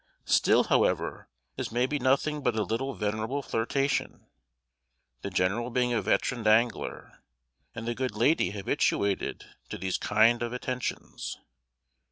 ] Still, however, this may be nothing but a little venerable flirtation, the general being a veteran dangler, and the good lady habituated to these kind of attentions.